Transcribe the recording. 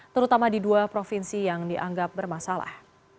terutama di dua provinsi yang dianggap bermasalah